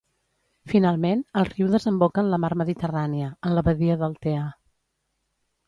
Finalment, el riu desemboca en la mar Mediterrània, en la Badia d'Altea.